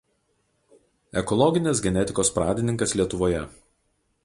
Ekologinės genetikos pradininkas Lietuvoje.